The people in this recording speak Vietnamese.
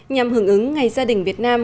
nhằm hưởng ứng ngày gia đình việt nam